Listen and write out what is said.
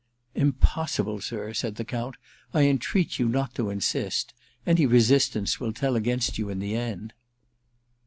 * Impossible, sir,' said the Count. * I entreat you not to insist. Any resistance will tell against you in the end.'